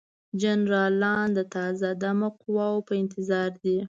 جنرالان د تازه دمه قواوو په انتظار دي.